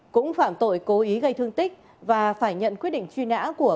cũng phạm tội cố ý gây thương tích và phải nhận quyết định truy nã của